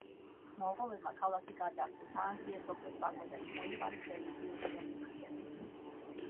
მონღოლებმა ქალაქი გაძარცვეს, დაანგრიეს ოქროს პაგოდები, მოიპარეს რელიგიური რელიქვიები.